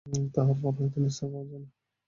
তাহার ফল হইতে নিস্তার পাওয়া যায় না।